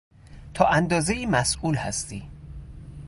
تا اندازهای مسئول هستی.